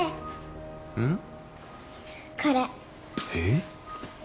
えっ？